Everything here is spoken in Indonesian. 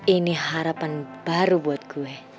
ini harapan baru buat gue